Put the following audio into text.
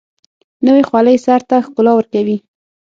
نوې خولۍ سر ته ښکلا ورکوي